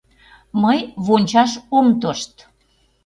Мый вончаш ом тошт.